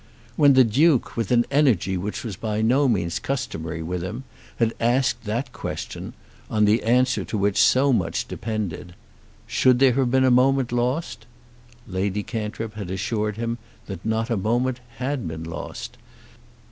When the Duke, with an energy which was by no means customary with him, had asked that question, on the answer to which so much depended, "Should there have been a moment lost?" Lady Cantrip had assured him that not a moment had been lost.